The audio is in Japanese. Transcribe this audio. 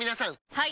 はい！